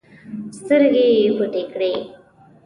سترګې يې پټې کړې.